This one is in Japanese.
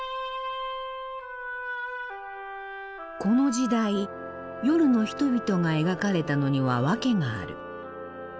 この時代夜の人々が描かれたのには訳がある。